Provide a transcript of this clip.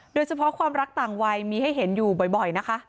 โดยเฉพาะความรักต่างวัยมีให้เห็นอยู่บ่อยนะคะ